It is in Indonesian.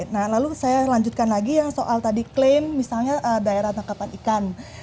nah lalu saya lanjutkan lagi yang soal tadi klaim misalnya daerah tangkapan ikan